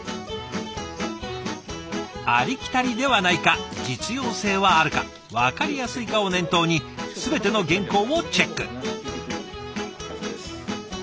ありきたりではないか実用性はあるか分かりやすいかを念頭に全ての原稿をチェック。